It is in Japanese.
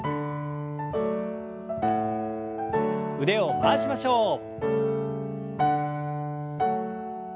腕を回しましょう。